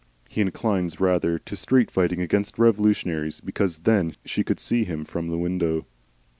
He inclines rather to street fighting against revolutionaries because then she could see him from the window.